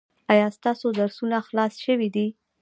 ایا ستاسو درسونه خلاص شوي دي؟